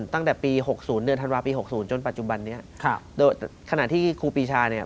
ตั้งแต่ปี๖๐เดือนธันวาปี๖๐จนปัจจุบันนี้ครับโดยขณะที่ครูปีชาเนี่ย